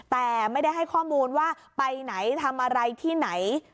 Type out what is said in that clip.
แต่ไม่ได้ให้ข้อมูลว่าไปไหนทำอะไรที่ไหน